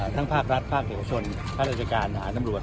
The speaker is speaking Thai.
ทั้งภาครัฐภาคเฉพาะชนธรรยาการอาหารนำรวช